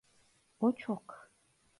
O çok…